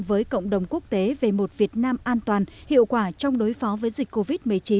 với cộng đồng quốc tế về một việt nam an toàn hiệu quả trong đối phó với dịch covid một mươi chín